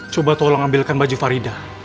coba tolong ambilkan baju farida